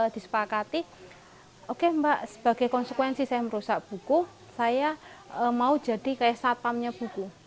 disepakati oke mbak sebagai konsekuensi saya merusak buku saya mau jadi kayak satpamnya buku